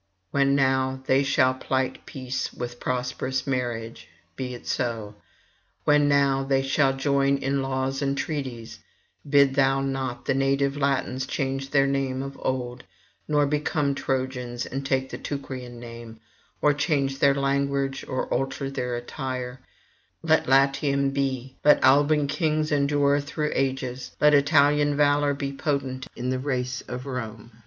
When now they shall plight peace with prosperous marriages (be it so!), when now they shall join in laws and treaties, bid thou not the native Latins change their name of old, nor become Trojans and take the Teucrian name, or change their language, or alter their attire: let Latium be, let Alban kings endure through ages, let Italian valour be potent in the race of Rome.